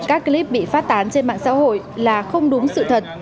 các clip bị phát tán trên mạng xã hội là không đúng sự thật